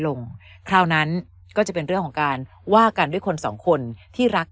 คราวนั้นก็จะเป็นเรื่องของการว่ากันด้วยคนสองคนที่รัก